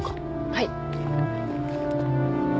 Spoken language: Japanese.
はい。